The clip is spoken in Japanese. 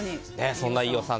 そんな飯尾さん